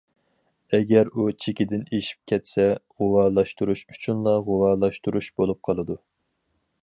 ئەگەر ئۇ چېكىدىن ئېشىپ كەتسە،« غۇۋالاشتۇرۇش ئۈچۈنلا غۇۋالاشتۇرۇش» بولۇپ قالىدۇ.